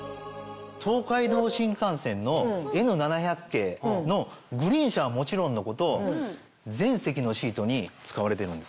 東海道新幹線のＮ７００系のグリーン車はもちろんのこと全席のシートに使われているんです。